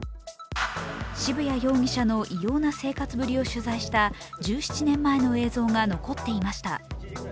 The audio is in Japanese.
渋谷容疑者の異様な生活ぶりを取材した１７年前の映像が残っていました。